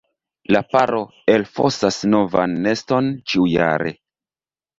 La paro elfosas novan neston ĉiujare.